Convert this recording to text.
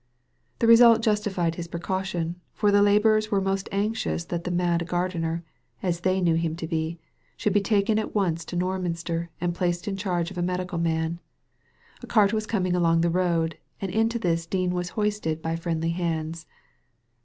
The result justified his precaution, for the labourers were most anxious that the mad gardener — as they knew him to be — should be taken at once to Norminster and placed in charge of a medical man. A cart was coming along the road, and into this Dean was hoisted by friendly hands.